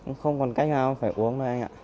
nó không còn cách nào mà phải uống đâu anh ạ